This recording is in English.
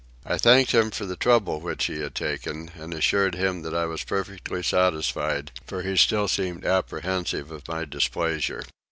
I thanked him for the trouble which he had taken, and assured him that I was perfectly satisfied, for he still seemed apprehensive of my displeasure.